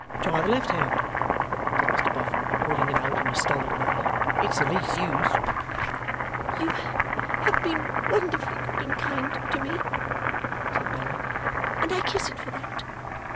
'Try the left hand,' said Mr Boffin, holding it out in a stolid manner; 'it's the least used.' 'You have been wonderfully good and kind to me,' said Bella, 'and I kiss it for that.